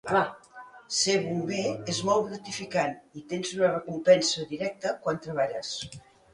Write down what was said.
Ser bomber és molt gratificant i tens una recompensa directa quan treballes.